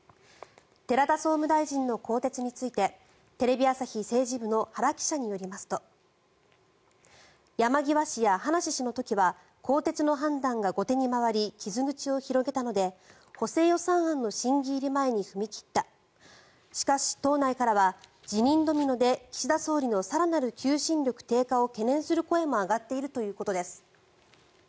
寺田総務大臣の更迭についてテレビ朝日政治部の原記者によりますと山際氏や葉梨氏の時は更迭の判断が後手に回り傷口を広げたので補正予算案の審議入り前に踏み切ったしかし党内からは辞任ドミノで岸田総理の更なる求心力低下を懸念する声も上がっているということです。